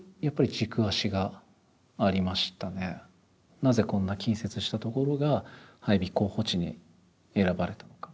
なぜこんな近接した所が配備候補地に選ばれたのか。